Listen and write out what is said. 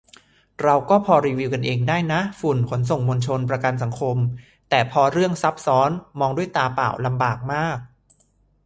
เราก็พอรีวิวกันเองได้นะ ฝุ่น ขนส่งมวลชน ประกันสังคม แต่พอเรื่องซับซ้อนมองด้วยตาเปล่าลำบาก